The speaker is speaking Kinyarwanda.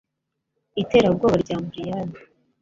Iterabwoba rya Umbrian